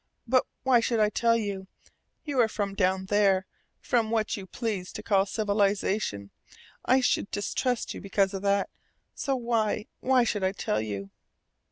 "But why should I tell you? You are from down there, from what you please to call civilization. I should distrust you because of that. So why why should I tell you?"